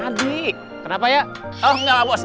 aduh pak bos